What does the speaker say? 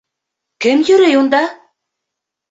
— Кем йөрөй унда?